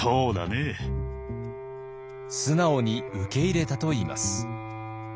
素直に受け入れたといいます。